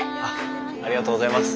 ありがとうございます。